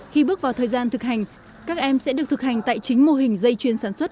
khi bước vào thời gian thực hành các em sẽ được thực hành tại chính mô hình dây chuyền sản xuất